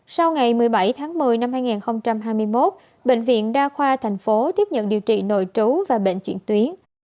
sau ngày một mươi bảy tháng một mươi năm hai nghìn hai mươi một bệnh viện đa khoa thành phố tiếp nhận điều trị nội trú và bệnh chuyển tuyến